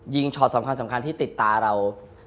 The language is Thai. ช็อตสำคัญที่ติดตาเรา